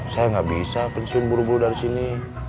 saya gak bisa pensiun buru buru dari sini